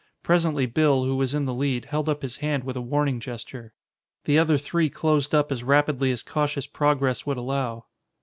Presently Bill, who was in the lead, held up his hand with a warning gesture. The other three closed up as rapidly as cautious progress would allow.